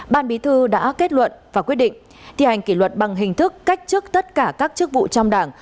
ban bí thư đã kết luận và quyết định thi hành kỷ luật bằng hình thức cách chức tất cả các chức vụ trong đảng